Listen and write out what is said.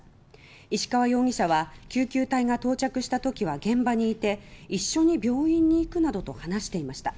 石川容疑者は救急隊が到着したときは現場にいて一緒に病院に行くなどと話していました。